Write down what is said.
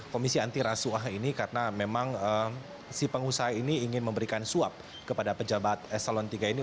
komisi anti rasuah ini karena memang si pengusaha ini ingin memberikan suap kepada pejabat eselon iii ini